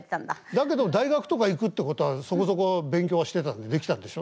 だけど大学とか行くってことはそこそこ勉強はしてたできたんでしょ？